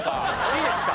いいですか？